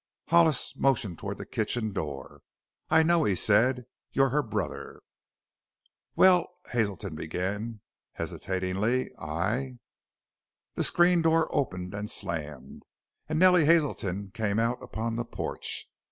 Hollis motioned toward the kitchen door. "I know," he said; "you're her brother." "Well," began Hazelton hesitatingly, "I " The screen door opened slammed, and Nellie Hazelton came out upon the porch.